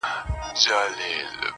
مطربه چي رباب درسره وینم نڅا راسي؛